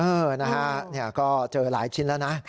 เออนะฮะก็เจอหลายชิ้นแล้วนะ